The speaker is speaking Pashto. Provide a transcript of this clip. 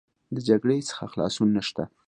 د جګړې څخه خلاصون نشته.